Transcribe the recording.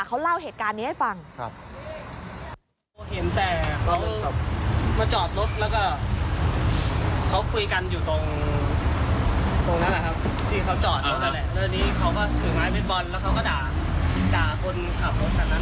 เขาเล่าเหตุการณ์นี้ให้ฟัง